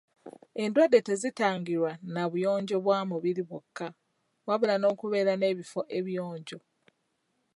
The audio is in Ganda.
Endwadde tezitangirwa na buyonjo bwa mubiri bwokka wabula n'okubeera n'ebifo ebiyonjo.